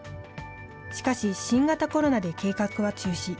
しかし、新型コロナで計画は中止。